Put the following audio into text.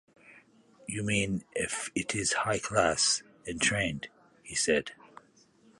“You mean if it is high-class and trained?” he said.